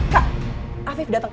kak afif dateng